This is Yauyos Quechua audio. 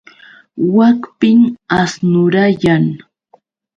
Wakpim asnurayan.